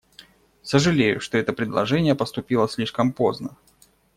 Сожалею, что это предложение поступило слишком поздно.